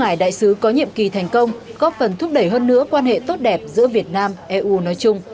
ngài đại sứ có nhiệm kỳ thành công góp phần thúc đẩy hơn nữa quan hệ tốt đẹp giữa việt nam eu nói chung